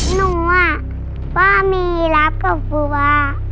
หนูอะว่ามียีราฟกับบูวา